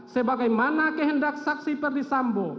sebagai mana kehendak saksi perdisambo